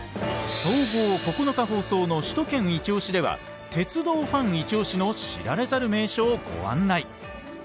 総合９日放送の「首都圏いちオシ！」では鉄道ファンいちオシの知られざる名所をご案内。